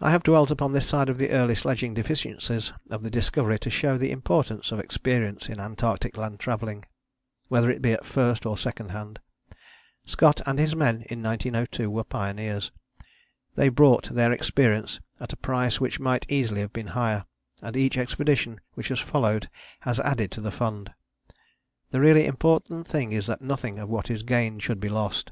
I have dwelt upon this side of the early sledging deficiencies of the Discovery to show the importance of experience in Antarctic land travelling, whether it be at first or second hand. Scott and his men in 1902 were pioneers. They bought their experience at a price which might easily have been higher; and each expedition which has followed has added to the fund. The really important thing is that nothing of what is gained should be lost.